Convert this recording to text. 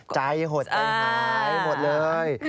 ใจหดอะไรหายหมดเลย